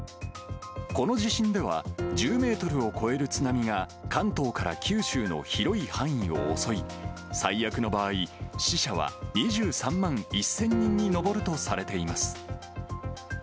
この地震では、１０メートルを超える津波が関東から九州の広い範囲を襲い、最悪の場合、死者は２３万１０００人に上るとされています。